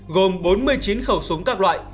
gồm bốn mươi chín khẩu súng các loại